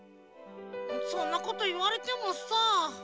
そんなこといわれてもさ。